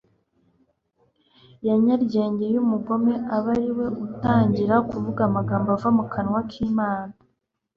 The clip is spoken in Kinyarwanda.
Ya nyaryenge y'umugome aba ari we utangira kuvuga amagambo ava mu kanwa k'Imana.